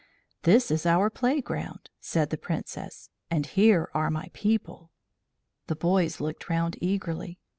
"This is our playground," said the Princess, "and here are my people." The boys looked round eagerly.